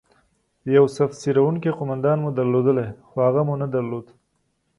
یو صف څیرونکی قومندان مو درلودلای، خو هغه مو نه درلود.